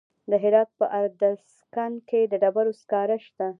د هرات په ادرسکن کې د ډبرو سکاره شته.